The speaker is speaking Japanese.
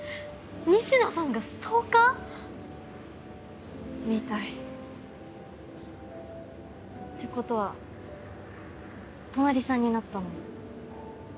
仁科さんがストーカー？みたい。ってことはお隣さんになったのも。